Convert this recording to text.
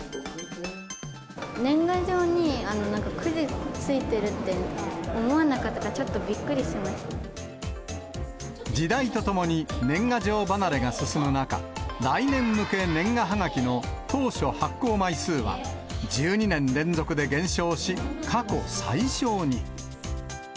年賀状に、なんかくじ付いてるって思わなかったから、ちょっとびっくりしま時代とともに年賀状離れが進む中、来年向け年賀はがきの当初発行枚数は、１２年連続で減少し、過去最少に。